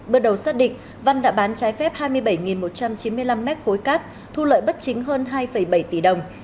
bước đầu xác định văn đã bán trái phép hai mươi bảy một trăm chín mươi năm mét khối cát thu lợi bất chính hơn hai bảy tỷ đồng